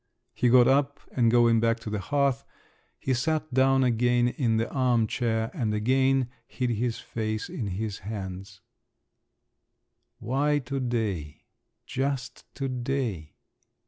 He got up, and going back to the hearth, he sat down again in the arm chair, and again hid his face in his hands…. "Why to day? just to day?"